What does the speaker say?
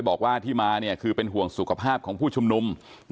บอกว่าที่มาเนี่ยคือเป็นห่วงสุขภาพของผู้ชุมนุม